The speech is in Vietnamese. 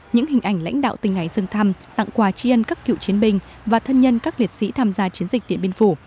những hình ảnh lãnh đạo tỉnh hải dương thăm tặng quà tri ân các cựu chiến binh và thân nhân các liệt sĩ tham gia chiến dịch điện biên phủ